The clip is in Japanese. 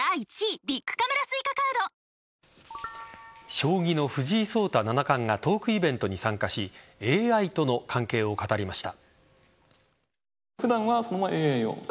将棋の藤井聡太七冠がトークイベントに参加しＡＩとの関係を語りました。